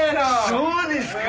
そうですか？